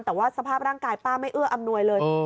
แต่ว่าสภาพร่างกายป้าไม่เอื้ออำนวยเลย